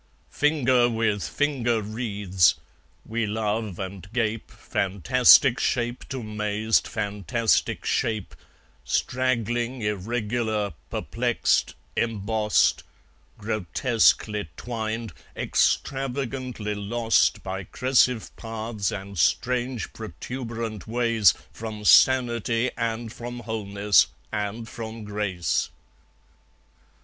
Finger with finger wreathes; we love, and gape, Fantastic shape to mazed fantastic shape, Straggling, irregular, perplexed, embossed, Grotesquely twined, extravagantly lost By crescive paths and strange protuberant ways From sanity and from wholeness and from grace.